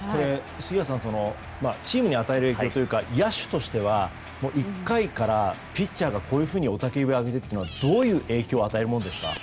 杉谷さんチームに与える影響というか野手としては１回からピッチャーがこういうふうに雄たけびを上げるというのはどういう影響を与えるものですか？